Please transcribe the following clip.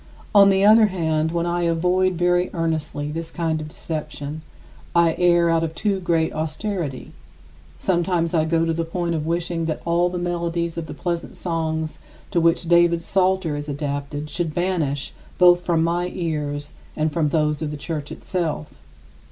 50. On the other hand, when I avoid very earnestly this kind of deception, I err out of too great austerity. Sometimes I go to the point of wishing that all the melodies of the pleasant songs to which David's Psalter is adapted should be banished both from my ears and from those of the Church itself.